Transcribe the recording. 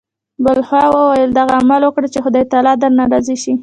بهلول وویل: داسې عمل وکړه چې خدای تعالی درنه راضي شي.